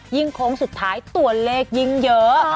โค้งสุดท้ายตัวเลขยิ่งเยอะ